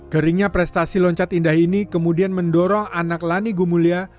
keringnya prestasi loncat indah ini kemudian mendorong anak lani gumulya